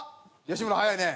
吉村早いね。